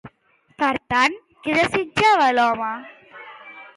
Per tant, què desitjava l'home?